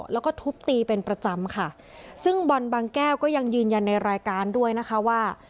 แล้วก็ทุบตีเป็นประจำค่ะซึ่งบอลบางแก้วก็ยังยืนยันในรายการด้วยนะคะว่า